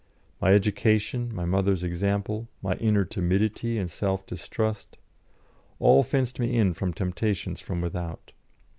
My education, my mother's example, my inner timidity and self distrust, all fenced me in from temptations from without.